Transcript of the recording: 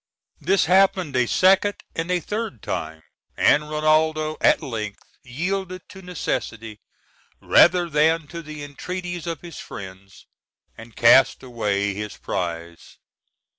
This happened a second and a third time, and Rinaldo at length yielded to necessity, rather than to the entreaties of his friends, and cast away his prize.